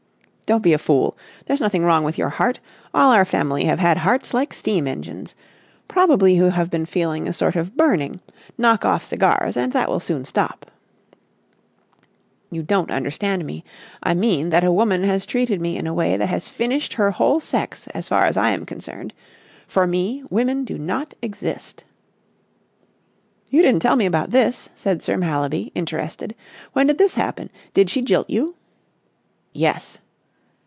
"Don't be a fool. There's nothing wrong with your heart. All our family have had hearts like steam engines. Probably you have been feeling a sort of burning. Knock off cigars and that will soon stop." "You don't understand me. I mean that a woman has treated me in a way that has finished her whole sex as far as I am concerned. For me, women do not exist." "You didn't tell me about this," said Sir Mallaby, interested. "When did this happen? Did she jilt you?" "Yes."